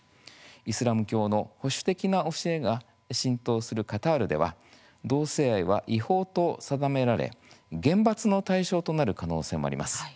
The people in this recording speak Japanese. イスラム教の保守的な教えが浸透するカタールでは同性愛は、違法と定められ厳罰の対象となる可能性もあります。